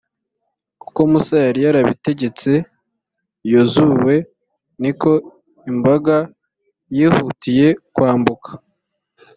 uko musa yari yarabitegetse yozuwe. niko imbaga yihutiye kwambuka.